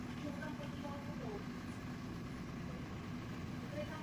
V utkání o titul ze smíšené čtyřhry na sebe narazily dva americké páry.